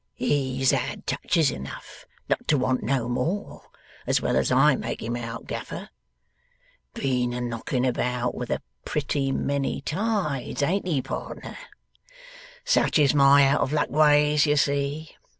'He's had touches enough not to want no more, as well as I make him out, Gaffer! Been a knocking about with a pretty many tides, ain't he pardner? Such is my out of luck ways, you see!